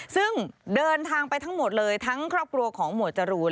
ซึ่งเดินทางไปทั้งหมดเลยทั้งครอบครัวของหมวดจรูน